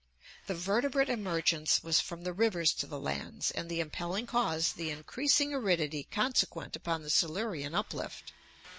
The vertebrate emer gence was from the rivers to the lands, and the impelling cause the increasing aridity consequent upon the Silurian uplift.